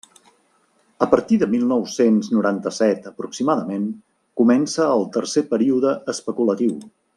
A partir de mil nou-cents noranta-set aproximadament comença el tercer període especulatiu.